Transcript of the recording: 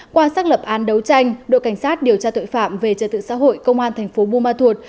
qua xác lập án đấu tranh đội cảnh sát điều tra tội phạm về trợ tự xã hội công an thành phố buma thuột